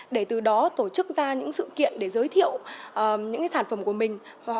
để từ đó tổ chức ra những sự kiện để giới thiệu những sản phẩm của mình